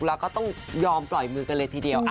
แล้วก็ต้องยอมปล่อยมือกันเลยทีเดียว